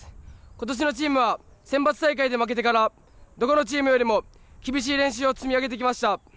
今年のチームはセンバツ大会で負けてからどこのチームよりも厳しい練習を積み上げてきました。